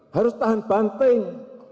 harus tahan banting